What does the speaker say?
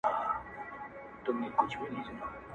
اوس مي د زړه زړگى په وينو ســور دى.